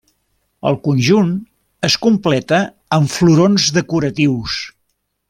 El conjunt es completa amb florons decoratius.